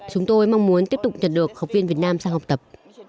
chúng tôi mong muốn tiếp tục nhận được học viên việt nam sang học tập